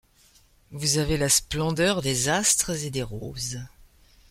Vous avez la splendeur des astres et des roses !